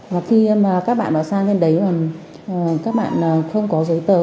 và khi mà các bạn đã sang bên đấy và các bạn không có giấy tờ